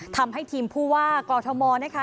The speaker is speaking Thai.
ทำให้ทีมผู้ว่ากอทมนะคะ